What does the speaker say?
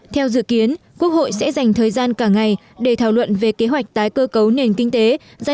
theo dự kiến quốc hội sẽ dành thời gian cả ngày để thảo luận về kế hoạch phát triển kinh tế xã hội